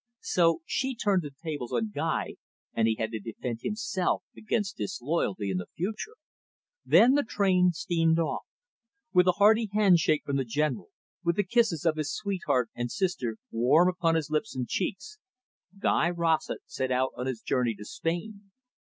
So she turned the tables on Guy, and he had to defend himself against disloyalty in the future. Then the train steamed off. With a hearty handshake from the General, with the kisses of his sweetheart and sister warm upon his lips and his cheeks, Guy Rossett set out on his journey to Spain.